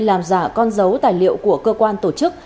làm giả con dấu tài liệu của cơ quan tổ chức